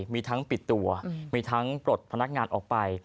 มีทั้งปิดตัวมีทั้งปลดพนักงานออกไป